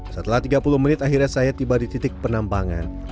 setelah tiga puluh menit akhirnya saya tiba di titik penambangan